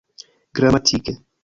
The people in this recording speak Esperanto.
gramatike